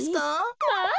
まあ！